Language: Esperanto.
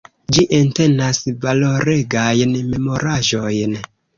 Ĝi entenas valoregajn memoraĵojn.